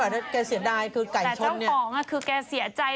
แต่ถ้าเจ้าของเค้าเสียใจ